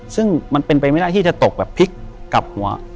ซึ่งมันเป็นไปไม่ได้ที่จะตกแบบพลิกกลับหัว